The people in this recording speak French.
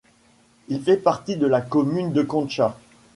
Il fait partie de la commune de Kontcha.